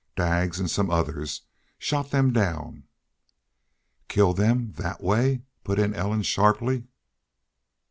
Daggs an' some others shot them down." "Killed them that way?" put in Ellen, sharply.